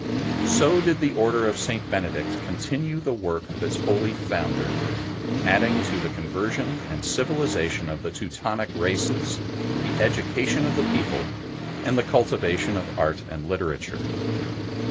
So did the Order of St. Benedict continue the work of its holy Founder, adding to the conversion and civilization of the Teutonic races the education of the people and the cultivation of art and literature.